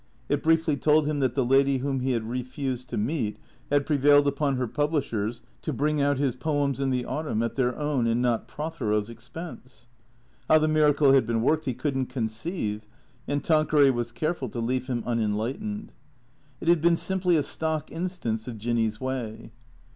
It briefly told him that the lady whom he had refused to meet had prevailed upon her publishers to bring out his poems in the autumn, at their own and not Prothero's expense. How the miracle had been worked he could n't conceive, and Tanqueray was careful to leave him unenlightened. It had been simply a stock instance of Jinny's way.